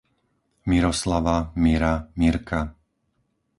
Miroslava, Mira, Mirka